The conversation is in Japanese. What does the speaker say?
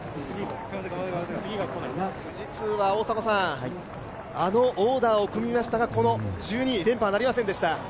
富士通はあのオーダーを組みましたが１２位、連覇はなりませんでした。